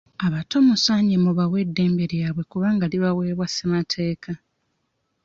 Abato musaanye mu bawe eddembe lyabwe kubanga libaweebwa ssemateeka.